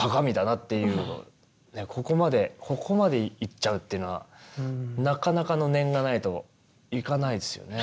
ここまでここまでいっちゃうっていうのはなかなかの念がないといかないですよね。